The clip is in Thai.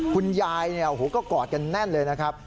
คุณยายก็กอดกันแน่นเลยนะครับ